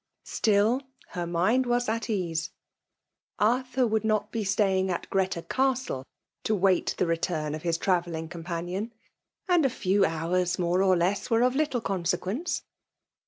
Still, her mind was at ease. — Arthur would not be stay ing at Greta Castle to wait the return of his travelling companion ; and a few hours, more or less, were of little consequence.